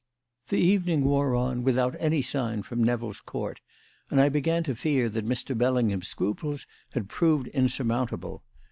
The evening wore on without any sign from Nevill's Court, and I began to fear that Mr. Bellingham's scruples had proved insurmountable.